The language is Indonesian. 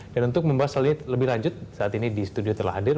dan untuk membahas hal ini lebih lanjut saat ini di studio telah hadir